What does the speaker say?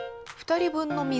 ２人分の水